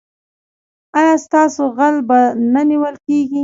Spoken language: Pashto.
ایا ستاسو غل به نه نیول کیږي؟